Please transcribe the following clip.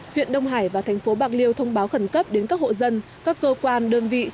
huyện đông hải và thành phố bạc liêu thông báo khẩn cấp đến các hộ dân các cơ quan đơn vị